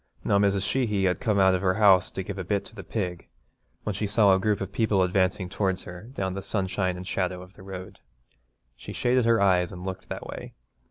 Now Mrs. Sheehy had come out of her house to give a bit to the pig, when she saw a group of people advancing towards her down the sunshine and shadow of the road. She shaded her eyes and looked that way.